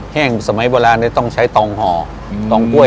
แห้งสมัยเวลาเนี่ยต้องใช้ตองหอตองก้วย